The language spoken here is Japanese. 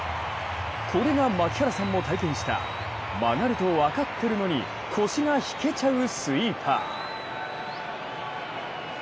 これが槙原さんも体験した曲がると分かっているのに腰が引けちゃうスイーパー。